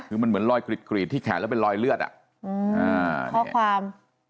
คือมันเหมือนรอยกรีดที่แขนแล้วเป็นรอยเลือดข้อความ